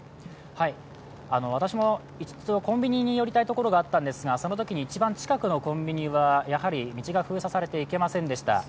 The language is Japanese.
私も、コンビニに寄りたいところがあったんですが、そのときに一番近くのコンビニはやはり道が封鎖されていて行けませんでした。